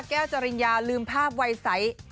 แก้วจริงยาลืมภาพวัยใส